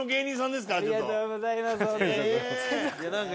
ありがとうございますほんとに。